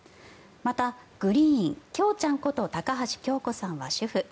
また、グリーンきょうちゃんこと高橋京子さんは主婦。